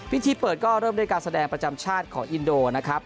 พิธีเปิดก็เริ่มด้วยการแสดงประจำชาติของอินโดนะครับ